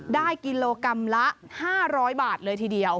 ได้กิโลกรัมละ๕๐๐บาทเลยทีเดียว